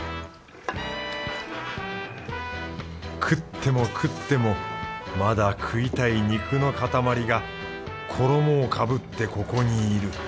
食っても食ってもまだ食いたい肉の塊が衣をかぶってここにいる